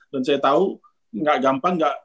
dan saya tahu gak gampang